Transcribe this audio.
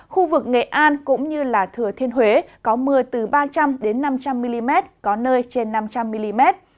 khu vực nghệ an cũng như thừa thiên huế có mưa từ ba trăm linh năm trăm linh mm có nơi trên năm trăm linh mm